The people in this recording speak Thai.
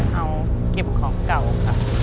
เอาเก็บของเก่าค่ะ